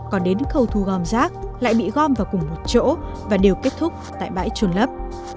còn đến khâu thu gom rác lại bị gom vào cùng một chỗ và đều kết thúc tại bãi trôn lấp